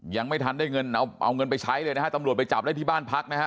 ยังไม่ทันได้เงินเอาเงินไปใช้เลยนะฮะตำรวจไปจับได้ที่บ้านพักนะฮะ